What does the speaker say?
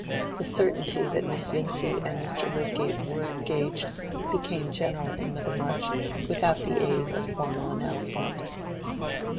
The certainty that Miss Vincy and Mr. Lydgate were engaged became general in Middlemarch without the aid of formal announcement.